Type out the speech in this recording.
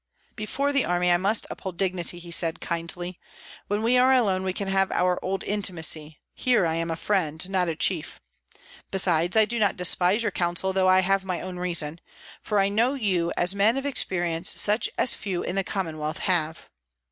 "Before the army I must uphold dignity," said he, kindly; "when we are alone we can have our old intimacy, here I am a friend, not a chief. Besides, I do not despise your counsel, though I have my own reason; for I know you as men of experience such as few in the Commonwealth have."